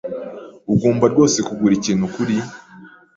Ugomba rwose kugura ikintu kuri